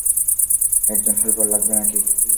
একজন হেল্পার লাগবে নাকি?